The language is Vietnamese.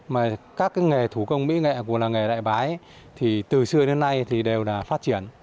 mà các nghề thủ công mỹ nghệ của làng nghề đại bái thì từ xưa đến nay thì đều là phát triển